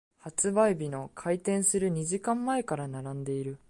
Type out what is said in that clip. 発売日の開店する二時間前から並んでいる。